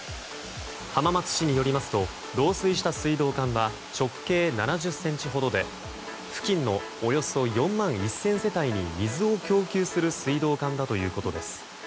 浜松市によりますと漏水した水道管は直径７０ｃｍほどで付近のおよそ４万１０００世帯に水を供給する水道管だということです。